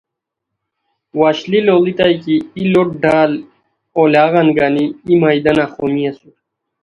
وشلی لوڑیتائے کی ای لوٹ ڈال اولاغان گانی ای میدانہ خومی اسور